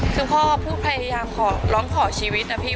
คือพ่อเพิ่งพยายามร้องขอชีวิตนะพี่